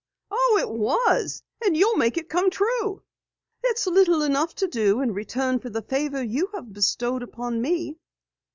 "Oh, it was! And you'll make it come true!" "It's little enough to do in return for the favor you have bestowed upon me."